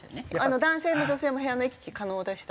男性も女性も部屋の行き来可能でした。